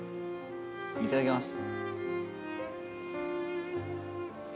いただきます。